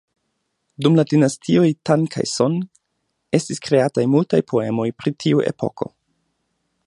Dum la Dinastioj Tang kaj Song, estis kreataj multaj poemoj pri tiu epoko.